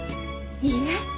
いいえ！